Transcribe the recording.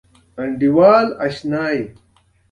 ما ورته وویل: زه په ماښام کې خان زمان ته راستون شوی یم.